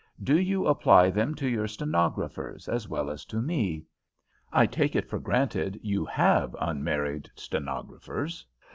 Do you apply them to your stenographers as well as to me? I take it for granted you have unmarried stenographers.